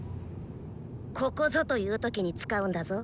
ここぞという時に使うんだぞ。